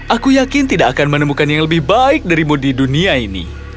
aku yakin tidak akan menemukan yang lebih baik darimu di dunia ini